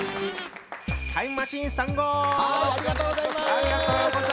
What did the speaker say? ありがとうございます。